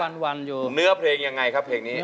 แต่ว่าเนื้อเพลงยังไงครับเพลงนี้